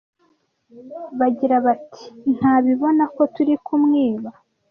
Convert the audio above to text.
Bagira bati: "Ntabibona ko turi kumwiba